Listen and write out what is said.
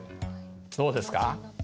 どうですか？